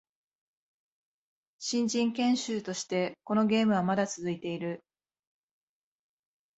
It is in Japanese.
新人研修としてこのゲームはまだ続いている